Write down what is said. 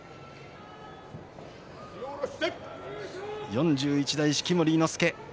４１代式守伊之助